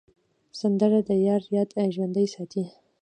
سندره د یار یاد ژوندی ساتي